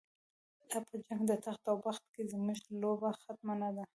لا په جنگ د تخت او بخت کی، زمونږ لوبه ختمه نده